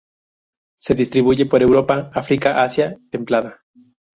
Se distribuye por Europa, África, Asia templada.